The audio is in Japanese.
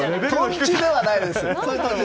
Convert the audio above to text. とんちではないです。